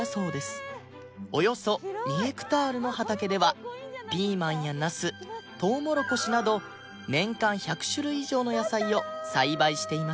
およそ２ヘクタールの畑ではピーマンやナストウモロコシなど年間１００種類以上の野菜を栽培しています